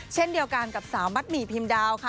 เช่นเดียวกันกับสาวมัดหมี่พิมดาวค่ะ